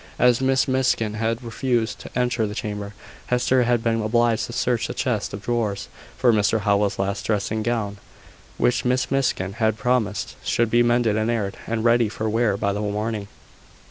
As Miss Miskin had refused to enter the chamber, Hester had been obliged to search a chest of drawers for Mr Howell's last dressing gown, which Miss Miskin had promised should be mended and aired, and ready for wear by the morning.